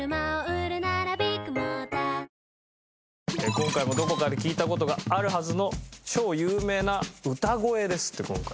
今回もどこかで聞いた事があるはずの超有名な歌声ですって今回。